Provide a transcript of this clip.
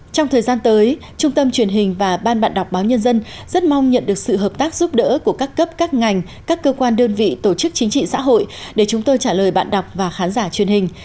trong thời gian tới trung tâm truyền hình và ban bạn đọc báo nhân dân rất mong nhận được sự hợp tác giúp đỡ của các cấp các ngành các cơ quan đơn vị tổ chức chính trị xã hội để chúng tôi trả lời bạn đọc và khán giả truyền hình